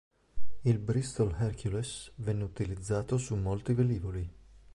Il Bristol Hercules venne utilizzato su molti velivoli.